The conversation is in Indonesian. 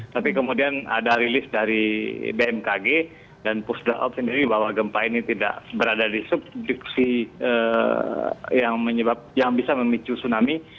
tapi kemudian ada rilis dari bmkg dan pusda op sendiri bahwa gempa ini tidak berada di subduksi yang bisa memicu tsunami